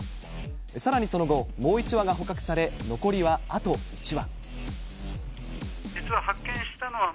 さらにその後、もう１羽が捕獲され、残りはあと１羽。